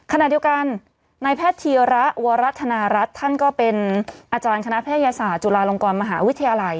ขณะเดียวกันนายแพทย์ธีระวรัฐนารัฐท่านก็เป็นอาจารย์คณะแพทยศาสตร์จุฬาลงกรมหาวิทยาลัย